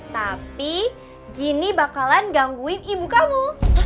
tapi gini bakalan gangguin ibu kamu